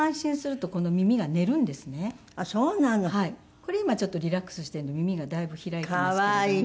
これ今ちょっとリラックスしているので耳がだいぶ開いていますけれども。